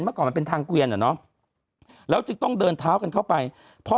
เมื่อก่อนมันเป็นทางเกวียนอะเนาะแล้วจึงต้องเดินเท้ากันเข้าไปเพราะ